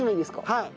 はい。